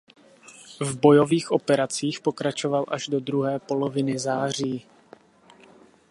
V bojových operacích pokračovali až do druhé poloviny září.